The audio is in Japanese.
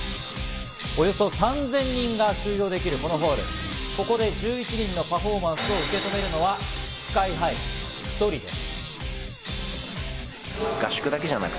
およそ３０００人が収容できるこのホール、ここで１１人のパフォーマンスを受け止めるのはＳＫＹ−ＨＩ１人です。